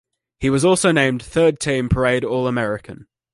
He was also named third-team Parade All-American.